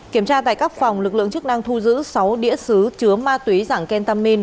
kiểm tra tại các phòng lực lượng chức năng thu giữ sáu đĩa xứ chứa ma túy dạng kentamin